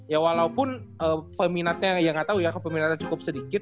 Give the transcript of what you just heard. ya walaupun peminatnya ya gak tau ya peminatnya cukup sedikit